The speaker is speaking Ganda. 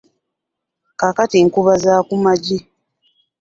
Kaakati nkuba za ku magi.